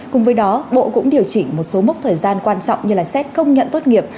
cùng với đó bộ cũng điều chỉnh một số mốc thời gian quan trọng như xét công nhận tốt nghiệp